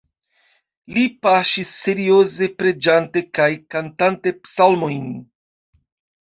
Li paŝis serioze preĝante kaj kantante psalmojn.